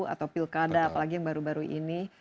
atau pilkada apalagi yang baru baru ini